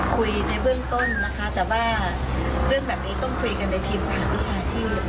ในเบื้องต้นนะคะแต่ว่าเรื่องแบบนี้ต้องคุยกันในทีมสหวิชาชีพ